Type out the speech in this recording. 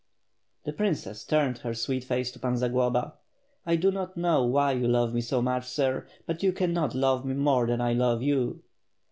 The princess turned her sweet face to Pan Zagloba. "I do not know why you love me so much, sir, but you cannot love me more than I love you."